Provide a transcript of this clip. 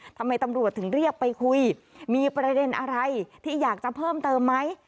ทำไมตำรวจถึงเรียกไปคุยมีประเด็นอะไรที่อยากจะเพิ่มเติมไหม